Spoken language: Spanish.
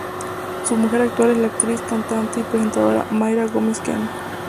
Su mujer actual es la actriz, cantante y presentadora Mayra Gómez Kemp.